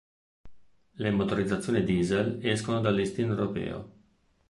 Le motorizzazioni diesel escono dal listino europeo.